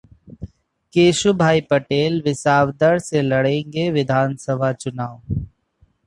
केशूभाई पटेल विसावदर से लड़ेंगे विधानसभा चुनाव